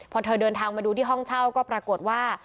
พอเธอเดินทางมาดูที่ห้องเช่าก็ปรากฏว่า